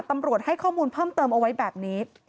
ตำรวจให้ข้อมูลเพิ่มเติมเอาไว้แบบนี้